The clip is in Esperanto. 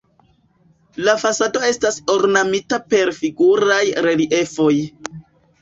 La fasado estas ornamita per figuraj reliefoj.